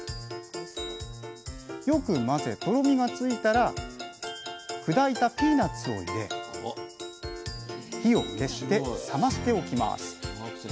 よく混ぜとろみがついたら砕いたピーナツを入れ火を消して冷ましておきます